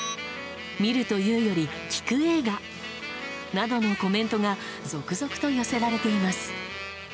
見るというより聴く映画などのコメントが続々と寄せられています。